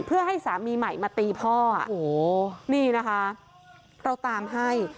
เพื่อให้สามีใหม่มาตีพ่อโอ้โหนี่นะคะเราตามให้